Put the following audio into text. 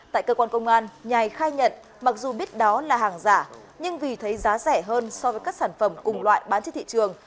tại cơ quan công an nhài khai nhận mặc dù biết đó là hàng giả nhưng vì thấy giá rẻ hơn so với các sản phẩm cùng loại bán trên thị trường